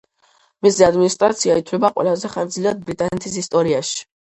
მისი ადმინისტრაცია ითვლება ყველაზე ხანგრძლივად ბრიტანეთის ისტორიაში.